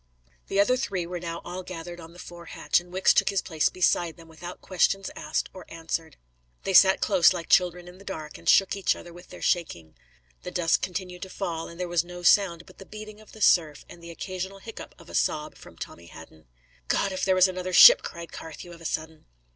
The other three were now all gathered on the fore hatch, and Wicks took his place beside them without question asked or answered. They sat close, like children in the dark, and shook each other with their shaking. The dusk continued to fall; and there was no sound but the beating of the surf and the occasional hiccup of a sob from Tommy Hadden. "God, if there was another ship!" cried Carthew of a sudden.